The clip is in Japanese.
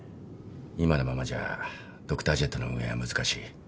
今のままじゃドクタージェットの運営は難しい。